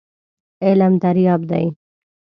علم دریاب دی .